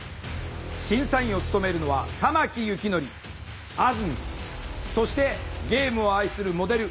審査員を務めるのは玉木幸則あずみんそしてゲームを愛するモデル